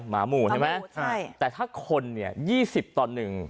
หมาหมู่ใช่ไหมใช่แต่ถ้าคนเนี่ยยี่สิบต่อหนึ่ง